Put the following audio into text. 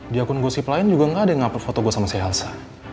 di akun gosip lain juga gak ada yang ngap foto gue sama si elsa